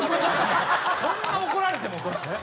そんな怒られても。